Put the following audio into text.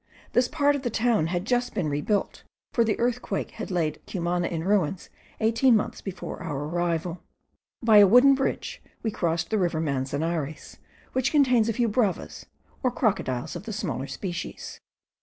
This part of the town had just been rebuilt, for the earthquake had laid Cumana in ruins eighteen months before our arrival. By a wooden bridge, we crossed the river Manzanares, which contains a few bavas, or crocodiles of the smaller species.